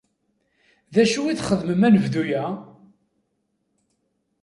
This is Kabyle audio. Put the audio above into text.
D acu i txedmem anebdu-a?